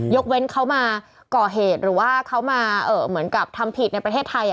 ยกเว้นเขามาก่อเหตุหรือว่าเขามาเหมือนกับทำผิดในประเทศไทย